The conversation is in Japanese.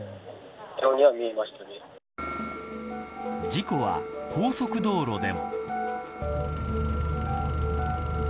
事故は高速道路でも。